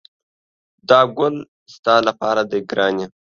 دا ګل ستا لپاره دی ګرانې!